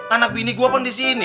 anak bini gua kan di sini